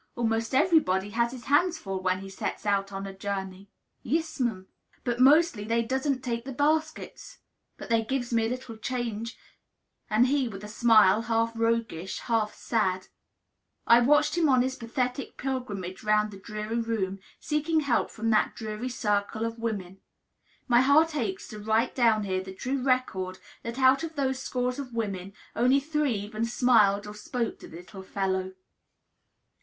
Almost everybody has his hands full, when he sets out on a journey." "Yis'm; but mostly they doesn't take the baskets. But they gives me a little change," said he, with a smile; half roguish, half sad. I watched him on in his pathetic pilgrimage round that dreary room, seeking help from that dreary circle of women. My heart aches to write down here the true record that out of those scores of women only three even smiled or spoke to the little fellow.